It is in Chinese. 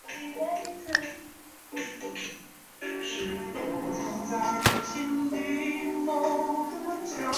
他担任过柏林皇家歌剧院和维也纳歌剧院的指挥和音乐指导。